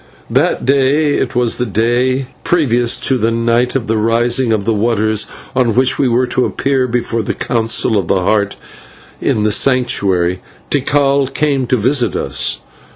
That day it was the day previous to the night of the Rising of Waters, on which we were to appear before the Council of the Heart in the Sanctuary Tikal came to visit us.